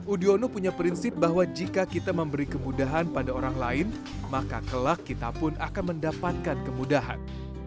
udiono punya prinsip bahwa jika kita memberi kemudahan pada orang lain maka kelak kita pun akan mendapatkan kemudahan